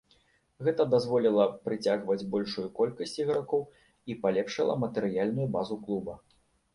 Гэта дазволіла прыцягваць большую колькасць ігракоў і палепшыла матэрыяльную базу клуба.